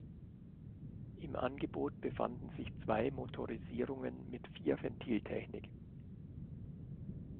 Im Angebot befanden sich zwei Motorisierungen mit Vierventil-Technik.